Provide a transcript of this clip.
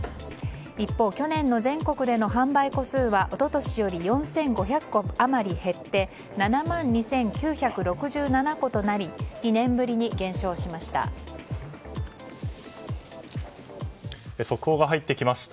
一方、去年の全国での販売戸数は一昨年より４５００戸余り減って７万２９６７戸となり２年ぶりに減少しました。